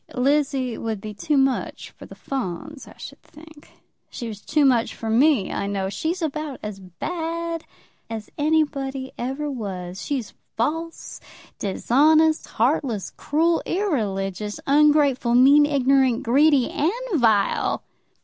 "Lizzie would be too much for the Fawns, I should think. She was too much for me, I know. She's about as bad as anybody ever was. She's false, dishonest, heartless, cruel, irreligious, ungrateful, mean, ignorant, greedy, and vile!"